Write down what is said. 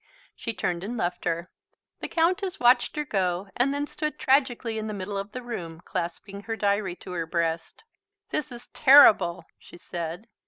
She turned and left her. The Countess watched her go, and then stood tragically in the middle of the room, clasping her diary to her breast. "This is terrible!" she said.